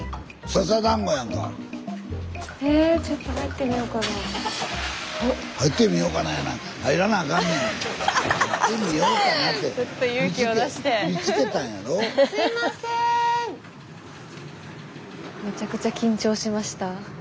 スタジオめちゃくちゃ緊張しました。